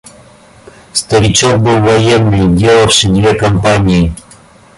Старичок был военный, делавший две кампании.